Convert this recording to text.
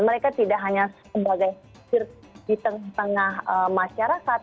mereka tidak hanya sebagai di tengah tengah masyarakat